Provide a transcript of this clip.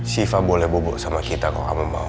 sifah boleh bobot sama kita kalau kamu mau